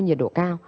nhiệt độ cao